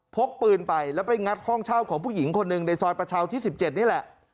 พกปืนไปแล้วไปงัดห้องเช่าของผู้หญิงคนหนึ่งในซอยประชาที่๑๗นี่แหละ